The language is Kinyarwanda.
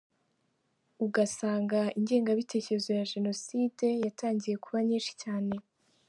Ugasanga ingengabitekerezo ya Jenoside yatangiye kuba nyinshi cyane.